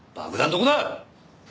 どこだ？